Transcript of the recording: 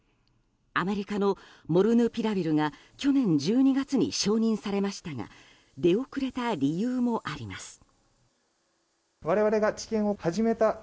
アメリカのモルヌピラビルが去年１２月に承認されましたが出遅れた理由もあります。